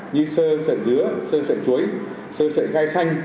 như sơ sợi dứa sơ sợi chuối sơ sợi gai xanh